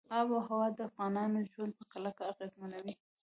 آب وهوا د افغانانو ژوند په کلکه اغېزمنوي.